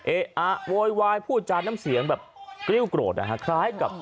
เอ๊ะโวยวายพูดจานน้ำเสียงแบบกริ้วกรดนะครับ